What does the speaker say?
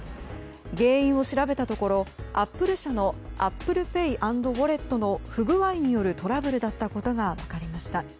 原因を調べたところアップル社のＡｐｐｌｅＰａｙ＆Ｗａｌｌｅｔの不具合によるトラブルだったことが分かりました。